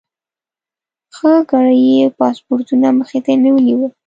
ښه ګړی یې پاسپورټونه مخې ته نیولي ول.